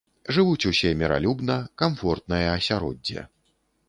Жывуць усе міралюбна, камфортнае асяроддзе.